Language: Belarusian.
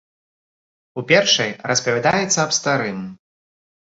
У першай распавядаецца аб старым.